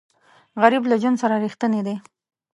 غریب له ژوند سره رښتینی دی